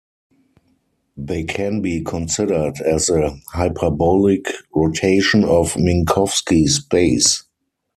They can be considered as a hyperbolic rotation of Minkowski space.